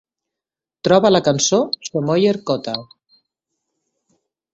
Troba la cançó Shomoyer Kotha